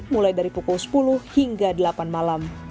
mulai dari pukul sepuluh hingga delapan malam